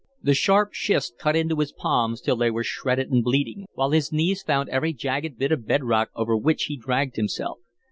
The sharp schist cut into his palms till they were shredded and bleeding, while his knees found every jagged bit of bed rock over which he dragged himself.